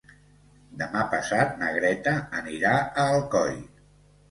Demà passat na Greta anirà a Alcoi.